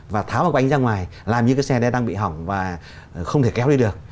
và tháo vào quanh ra ngoài làm như cái xe đang bị hỏng và không thể kéo đi được